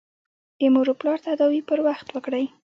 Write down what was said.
د مور او پلار تداوي پر وخت وکړئ.